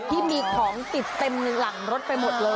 ที่มีของติดเต็มหลังรถไปหมดเลย